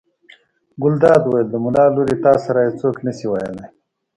ګلداد وویل: د ملا لورې تا سره یې څوک نه شي ویلی.